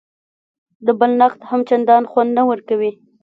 د بل نقد هم چندان خوند نه ورکوي.